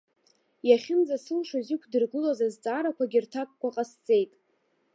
Иахьынӡасылшоз иқәдыргылоз азҵаарақәагьы рҭакқәа ҟасҵеит.